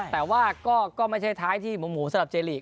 แต่ว่าก็ไม่ใช่ท้ายที่หมูสำหรับเจลีก